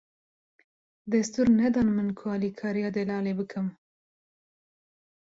Destûr nedan min ku alikariya Delalê bikim.